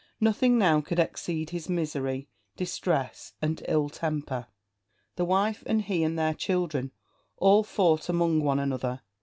Nothing now could exceed his misery, distress, and ill temper. The wife and he and their children all fought among one another.